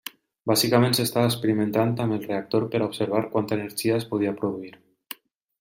Bàsicament s'estava experimentant amb el reactor per a observar quanta energia es podia produir.